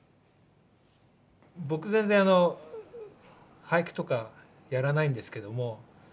僕全然俳句とかやらないんですけども